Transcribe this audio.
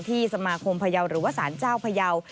ที่สมาคมพระเยาหรือว่าสารเจ้าพระเยา